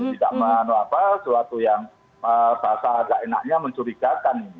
bisa kita menolak apa sesuatu yang bahasa agak enaknya mencurigakan